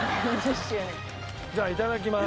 じゃあいただきまーす。